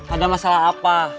ada masalah apa